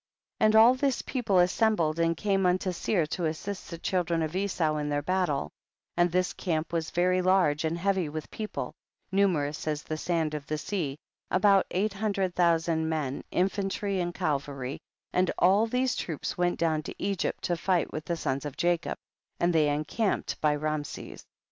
17. And all this people assembled and came unto Seir to assist the chil dren of Esau in their battle, and this camp was very large and heavy with people, numerous as the sand of the sea, about eight hundred thousand men, infantry and cavalry, and all these troops went down to Egypt to fight with the sons of Jacob, and they encamped by Raamses.